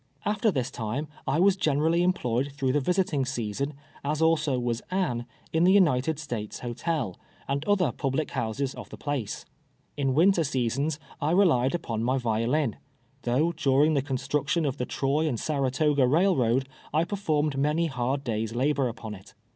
After this time I was generally .employed through the visiting season, as also was Anne, in the United States Hotel, and other public houses of the place. In winter seasons I re lied upon my violin, though during the construction. of the Troy and Saratoga railroad, I performed many hard days' labor upon it.